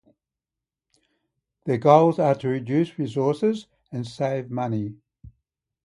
Their goals are to reduce resources and save money.